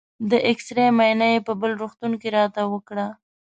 د اېکسرې معاینه یې په بل روغتون کې راته وکړه.